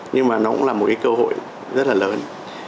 nhưng mà nó cũng là một cái cơ hội rất là lớn